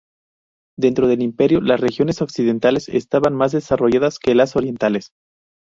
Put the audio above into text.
Dentro del Imperio las regiones occidentales estaban más desarrolladas que las orientales.